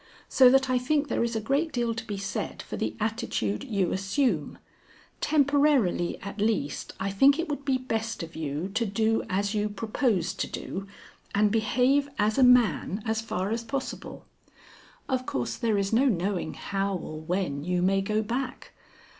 So that I think there is a great deal to be said for the attitude you assume. Temporarily at least I think it would be best of you to do as you propose to do, and behave as a man as far as possible. Of course there is no knowing how or when you may go back.